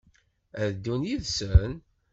Ad ddun yid-sen?